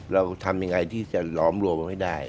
เราทำยังไงที่จะหลอมรวมให้ได้